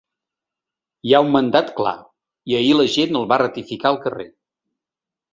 Hi ha un mandat clar, i ahir la gent el va ratificar al carrer.